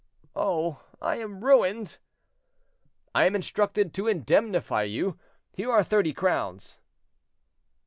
"Oh! I am ruined!" "I am instructed to indemnify you; here are thirty crowns."